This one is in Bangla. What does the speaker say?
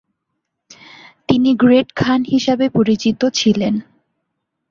তিনি গ্রেট খান হিসেবে পরিচিত ছিলেন।